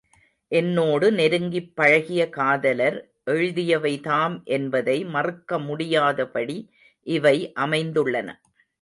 என்னோடு நெருங்கிப் பழகிய காதலர் எழுதியவைதாம் என்பதை மறுக்க முடியாதபடி இவை அமைந்துள்ளன.